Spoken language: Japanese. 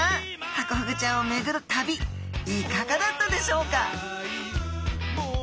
ハコフグちゃんをめぐる旅いかがだったでしょうか？